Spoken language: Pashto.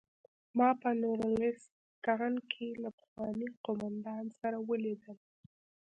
ما په نوریلیسک کان کې له پخواني قومندان سره ولیدل